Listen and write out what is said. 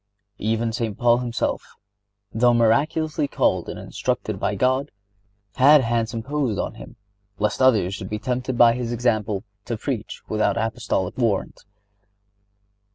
(76) Even St. Paul himself, though miraculously called and instructed by God, had hands imposed on him,(77) lest others should be tempted by his example to preach without Apostolic warrant.